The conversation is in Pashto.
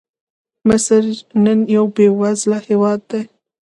مصر نن یو بېوزله هېواد دی.